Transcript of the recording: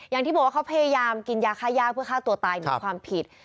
อย่างที่บอกว่าเขาพยายามกินยาค่าย่าเพื่อฆ่าตัวตายหนีความผิด